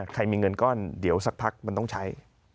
ใครมีเงินก้อนเดี๋ยวสักพักมันต้องใช้